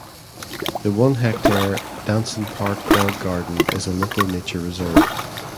The one hectare Danson Park Bog Garden is a Local Nature Reserve.